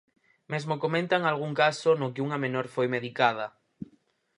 Mesmo comentan algún caso no que unha menor foi medicada.